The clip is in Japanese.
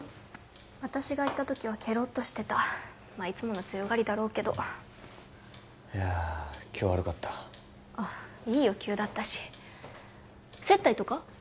私が行った時はケロッとしてたまあいつもの強がりだろうけどいや今日は悪かったあいいよ急だったし接待とか？